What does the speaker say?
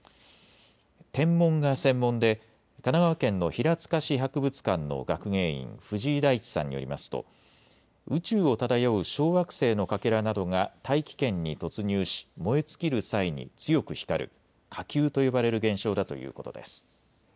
天文が専門で神奈川県の平塚市博物館の学芸員、藤井大地さんによりますと宇宙を漂う小惑星のかけらなどが大気圏に突入し燃え尽きる際に強く光る火球と呼ばれる現象だということです。